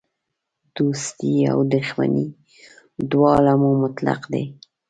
دوستي او دښمني دواړه مو مطلق دي.